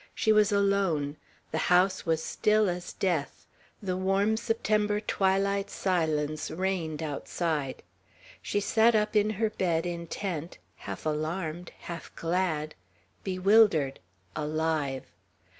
She was alone; the house was still as death; the warm September twilight silence reigned outside, She sat up in her bed, intent half alarmed half glad bewildered alive.